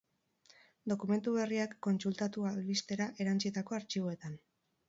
Dokumentu berriak kontsultatu albistera erantsitako artxiboetan.